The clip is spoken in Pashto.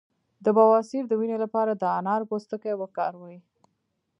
د بواسیر د وینې لپاره د انار پوستکی وکاروئ